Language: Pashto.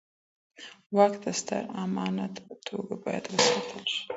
واک د ستر امانت په توګه بايد وساتل سي.